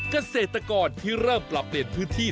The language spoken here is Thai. เกษตรกรที่เริ่มปรับเปลี่ยนพื้นที่